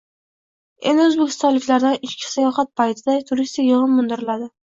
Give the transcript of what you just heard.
Endi o‘zbekistonliklardan ichki sayohat paytida turistik yig‘im undiriladi